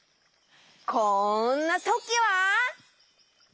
こんなときは！